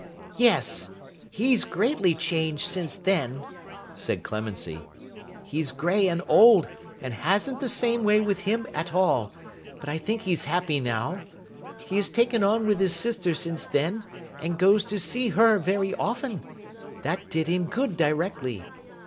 'Yes! he's greatly changed since then,' said Clemency. 'He's grey and old, and hasn't the same way with him at all; but, I think he's happy now. He has taken on with his sister since then, and goes to see her very often. That did him good, directly.